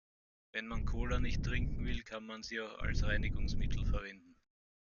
Wenn man Cola nicht trinken will, kann man sie auch als Reinigungsmittel verwenden.